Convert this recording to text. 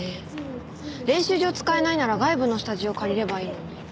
練習場使えないなら外部のスタジオ借りればいいのに。